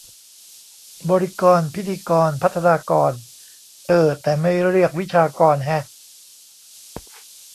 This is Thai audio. บริกร พิธีกร พัฒนากร เออ แต่ไม่เรียก วิชากร แฮะ